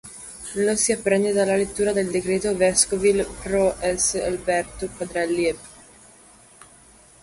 Lo si apprende dalla lettura del decreto vescovile: "Pro S. Alberto Quadrelli ep.